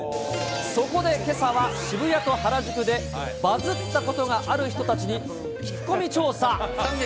そこで、けさは渋谷と原宿で、バズったことがある人たちに聞き込み調査。